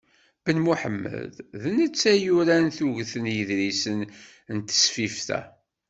Ben Muḥemmed, d netta i yuran tuget n yiḍrisen n tesfift-a.